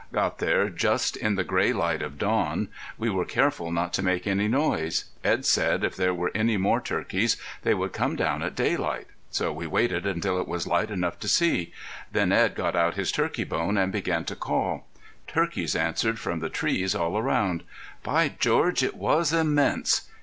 Got there just in the gray light of dawn. We were careful not to make any noise. Edd said if there were any more turkeys they would come down at daylight. So we waited until it was light enough to see. Then Edd got out his turkey bone and began to call. Turkeys answered from the trees all around. By George, it was immense!